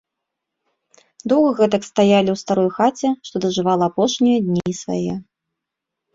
Доўга гэтак стаялі ў старой хаце, што дажывала апошнія дні свае.